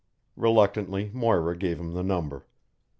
Reluctantly Moira gave him the number.